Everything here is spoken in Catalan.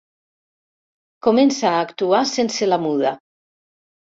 Comença a actuar sense la muda.